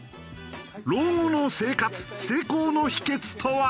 老後の生活成功の秘訣とは？